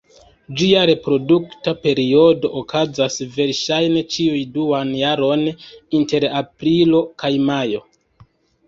Ĝia reprodukta periodo okazas verŝajne ĉiun duan jaron, inter aprilo kaj majo.